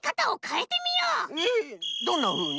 えっどんなふうに？